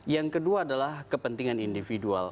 yang kedua adalah kepentingan individual